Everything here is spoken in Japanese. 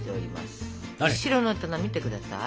後ろの棚見て下さい。